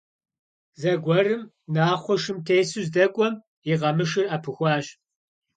Зэгуэрым, Нахъуэ шым тесу здэкӏуэм, и къамышыр ӏэпыхуащ.